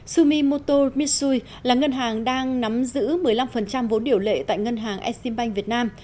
sumimoto mitsui là ngân hàng đang nắm giữ một mươi năm vốn điều lệ tại ngân hàng exim bank việt nam